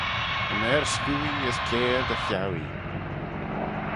Yn 'er s'cooie as cair dy cheau ee.